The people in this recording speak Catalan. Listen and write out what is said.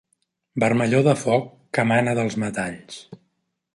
Vermellor de foc que emana dels metalls.